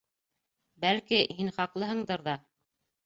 Бәлки, һин хаҡлыһыңдыр ҙа.